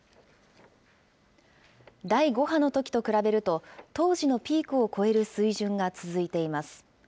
第５波のときと比べると、当時のピークを超える水準が続いています。